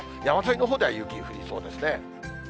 山沿いのほうでは雪降りそうですね。